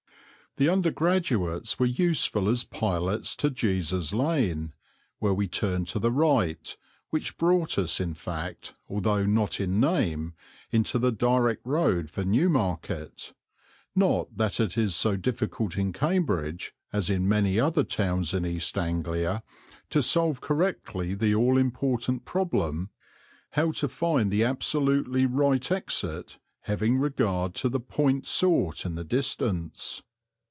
The undergraduates were useful as pilots to Jesus Lane, where we turned to the right, which brought us in fact, although not in name, into the direct road for Newmarket; not that it is so difficult in Cambridge, as in many other towns of East Anglia, to solve correctly the all important problem how to find the absolutely right exit having regard to the point sought in the distance.